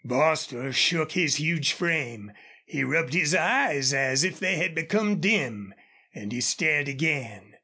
Bostil shook his huge frame, and he rubbed his eyes as if they had become dim, and he stared again.